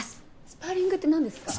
スパーリングってなんですか？